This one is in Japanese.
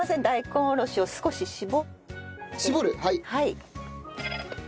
大根おろしを少し搾って。